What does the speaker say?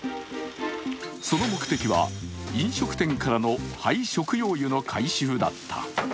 その目的は飲食店からの廃食用油の回収だった。